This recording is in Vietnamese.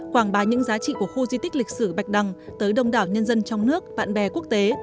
quảng bá những giá trị của khu di tích lịch sử bạch đằng tới đông đảo nhân dân trong nước bạn bè quốc tế